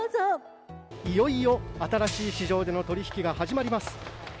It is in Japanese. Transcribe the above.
いよいよ、新しい市場での取引が始まります。